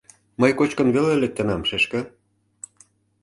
— Мый кочкын веле лектынам, шешке!